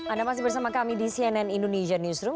anda masih bersama kami di cnn indonesia newsroom